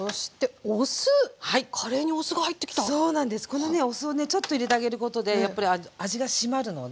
このねお酢をねちょっと入れてあげることでやっぱり味が締まるので。